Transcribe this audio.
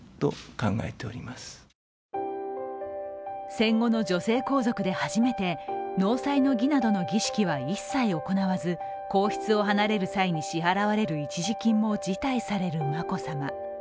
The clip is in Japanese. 戦後の女性皇族で初めて納采の儀などの儀式は一切行わず皇室を離れる際に支払われる一時金も辞退される眞子さま。